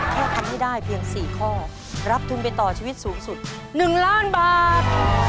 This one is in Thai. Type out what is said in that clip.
แค่ทำให้ได้เพียง๔ข้อรับทุนไปต่อชีวิตสูงสุด๑ล้านบาท